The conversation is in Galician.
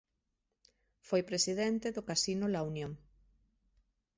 Foi presidente do Casino La Unión.